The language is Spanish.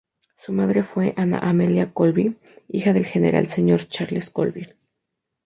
Su madre fue Ana Amelia Colville, hija del General Señor Charles Colville.